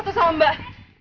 berhentikan sendiri ya pak